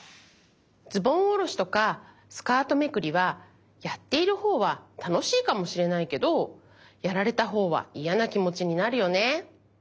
ズボンおろしとかスカートめくりはやっているほうはたのしいかもしれないけどやられたほうはイヤなきもちになるよね。